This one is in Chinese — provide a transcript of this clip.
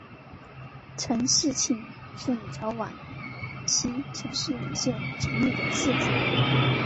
陈嗣庆是李朝晚期陈氏领袖陈李的次子。